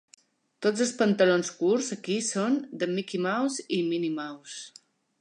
Tots els pantalons curts aquí són de Mickey Mouse i Minnie Mouse.